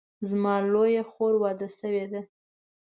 زما لویه خور واده شوې ده